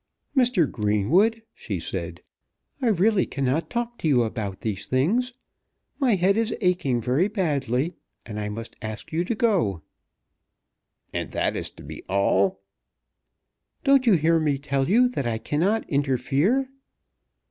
"Mr. Greenwood," she said, "I really cannot talk to you about these things. My head is aching very badly, and I must ask you to go." "And that is to be all?" "Don't you hear me tell you that I cannot interfere?"